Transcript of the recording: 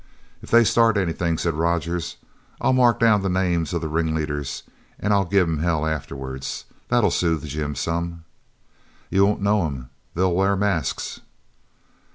"If they start anything," said Rogers, "I'll mark down the names of the ringleaders and I'll give 'em hell afterwards. That'll soothe Jim some." "You won't know 'em. They'll wear masks."